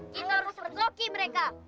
kita harus berjoki mereka